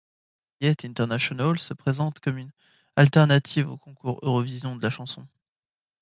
Liet International se présente comme une alternative au Concours Eurovision de la chanson.